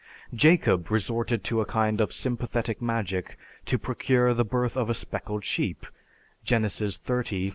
Jacob resorted to a kind of sympathetic magic to procure the birth of a speckled sheep (Gen. XXX, 39).